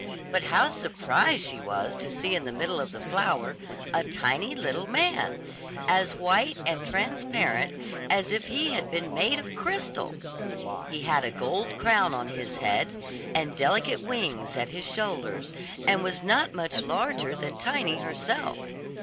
But how surprised she was to see in the middle of the flower, a tiny little man, as white and transparent as if he had been made of crystal! He had a gold crown on his head, and delicate wings at his shoulders, and was not much larger than Tiny herself.